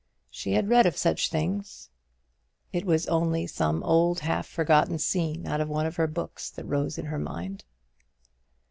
She had read of such things: it was only some old half forgotten scene out of one of her books that rose in her mind.